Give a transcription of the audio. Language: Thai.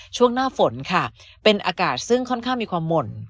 ช่วงหน้าฝนค่ะเป็นอากาศซึ่งค่อนข้างมีความหม่น